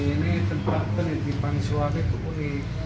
ini tempat penitipan suami dukun